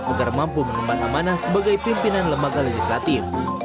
agar mampu mengemban amanah sebagai pimpinan lembaga legislatif